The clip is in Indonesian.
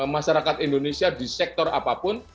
masyarakat indonesia di sektor apapun